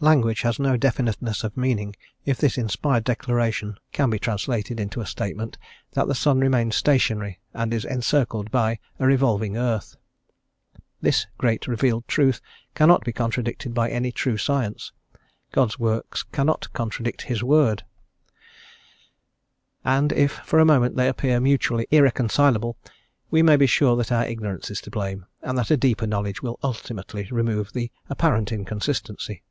Language has no definiteness of meaning if this inspired declaration can be translated into a statement that the sun remains stationary and is encircled by a revolving earth. This great revealed truth cannot be contradicted by any true science. God's works cannot contradict His word; and if for a moment they appear mutually irreconcileable, we may be sure that our ignorance is to blame, and that a deeper knowledge will ultimately remove the apparent inconsistency.